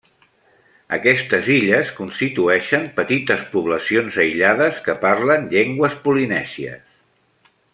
Aquestes illes constitueixen petites poblacions aïllades que parlen llengües polinèsies.